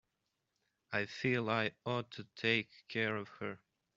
I feel I ought to take care of her.